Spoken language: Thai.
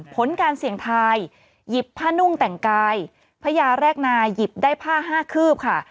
ผลการเสี่ยงทายหยิบผ้านุ่งแต่งกายพญาแรกนายหยิบได้ผ้าห้าคืบค่ะ